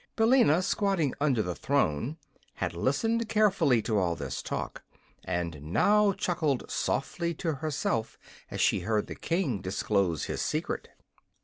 Billina, squatting under the throne, had listened carefully to all this talk, and now chuckled softly to herself as she heard the King disclose his secret.